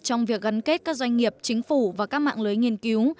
trong việc gắn kết các doanh nghiệp chính phủ và các mạng lưới nghiên cứu